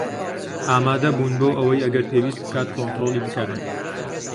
ئامادەبوون بۆ ئەوەی ئەگەر پێویست بکات کۆنترۆڵی بکەن